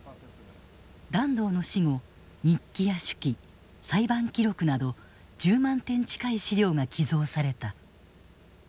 團藤の死後日記や手記裁判記録など１０万点近い資料が寄贈された。